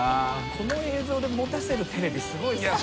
この映像でもたせるテレビすごいですね。